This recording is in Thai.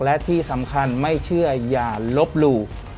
และที่สำคัญไม่เชื่ออย่าลบหลู่